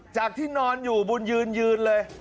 จากที่นอนอยู่บุญยืนยืนเลย